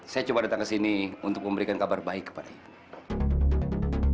saya coba datang ke sini untuk memberikan kabar baik kepada ibu